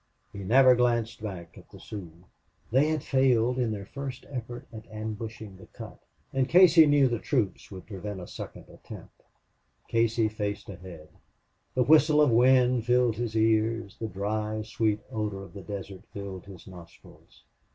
He never glanced back at the Sioux. They had failed in their first effort at ambushing the cut, and Casey knew the troops would prevent a second attempt. Casey faced ahead. The whistle of wind filled his ears, the dry, sweet odor of the desert filled his nostrils.